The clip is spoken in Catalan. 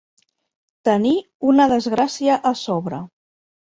Tenir una desgràcia a sobre.